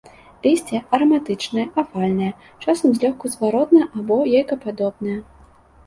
Лісце араматычнае, авальнае, часам злёгку зваротна- або яйкападобнае.